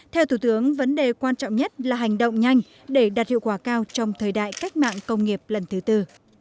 theo thủ tướng vấn đề quan trọng nhất là hành động nhanh để đạt hiệu quả cao trong thời đại cách mạng công nghiệp lần thứ tư